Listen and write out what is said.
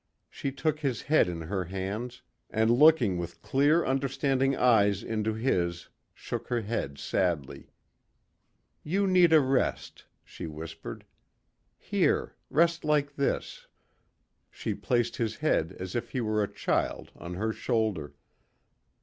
She took his head in her hands and looking with clear understanding eyes into his, shook her head sadly. "You need a rest," she whispered. "Here ... rest like this." She placed his head as if he were a child on her shoulder.